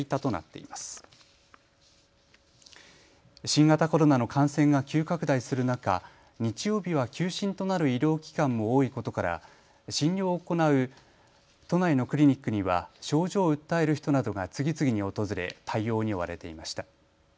新型コロナの感染が急拡大する中、日曜日は休診となる医療機関も多いことから診療を行う都内のクリニックには症状を訴える人などが次々に訪れ対応に追われていました。